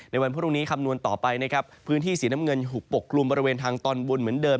วันพรุ่งนี้คำนวณต่อไปนะครับพื้นที่สีน้ำเงินถูกปกกลุ่มบริเวณทางตอนบนเหมือนเดิม